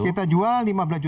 kita jual lima belas lima ratus